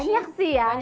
banyak sih ya